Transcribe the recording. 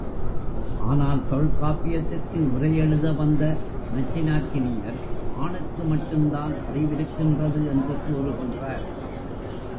ஆனால் தொல்காப்பியத்திற்கு உரையெழுத வந்த நச்சினார்க்கினியர், ஆணுக்கு மட்டுந்தான் அறிவிருக்கின்றது என்று கூறுகின்றார்.